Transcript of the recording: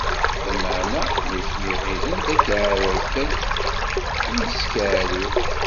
Lameɛna, nutni ɣilen d akeɛrer kan i yettkeɛrir.